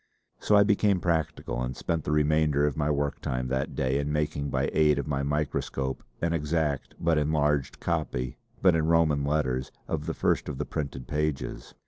So I became practical, and spent the remainder of my work time that day in making by aid of my microscope an exact but enlarged copy, but in Roman letters, of the first of the printed pages.